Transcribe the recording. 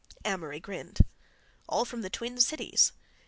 Amory grinned. "All from the Twin Cities."